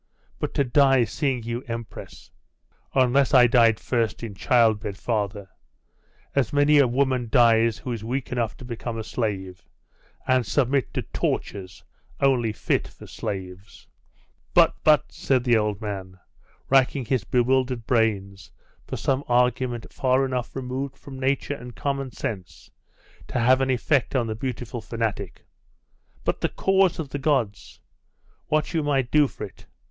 'But to die seeing you empress!' 'Unless I died first in childbed, father, as many a woman dies who is weak enough to become a slave, and submit to tortures only fit for slaves.' 'But but said the old man, racking his bewildered brains for some argument far enough removed from nature and common sense to have an effect on the beautiful fanatic 'but the cause of the gods! What you might do for it!....